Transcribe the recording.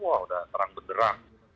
wah udah terang benderang